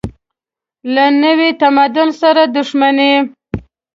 له نوي تمدن سره دښمني.